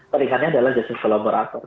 peringkatnya adalah jasus kolaborator